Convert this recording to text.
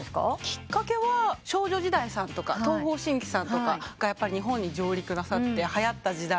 きっかけは少女時代さんとか東方神起さんが日本に上陸なさってはやった時代。